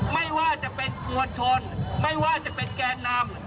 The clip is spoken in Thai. ไม่ว่าจะเป็นมวลชนไม่ว่าจะเป็นแกนนำ